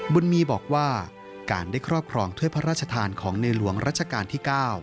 บุญมีบอกว่าการได้ครอบครองถ้วยพระราชทานของในหลวงรัชกาลที่๙